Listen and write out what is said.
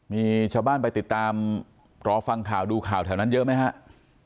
มีชาวบ้านไปติดตามรอฟังข่าวดูข่าวแถวนั้นเยอะไหมครับ